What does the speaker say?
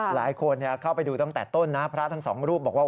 หลายคนเข้าไปดูตั้งแต่ต้นนะพระทั้งสองรูปบอกว่า